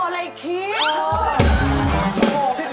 โอ้โหผิดหวังมากเลยอะ